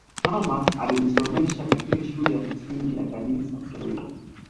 Mama alimsomesha katika shule ya msingi ya Kanisa Katoliki